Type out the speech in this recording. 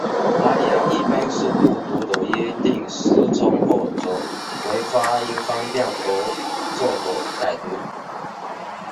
来源一般是误读的约定俗成或者为发音方便而作的改读。